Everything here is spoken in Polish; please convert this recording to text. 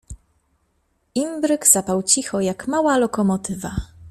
Imbryk sapał cicho, jak mała lokomo tywa.